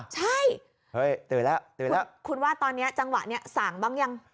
ใช่เฮ้ยตื่นแล้วตื่นแล้วคุณว่าตอนนี้จังหวะนี้สั่งบ้างยัง